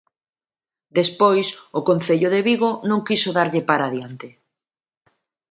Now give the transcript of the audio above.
Despois o Concello de Vigo non quixo darlle para diante.